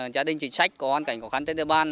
gia đình chính sách có hoàn cảnh khó khăn trên địa bàn